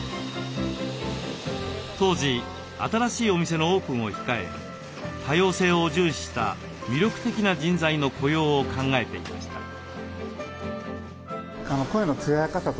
当時新しいお店のオープンを控え多様性を重視した魅力的な人材の雇用を考えていました。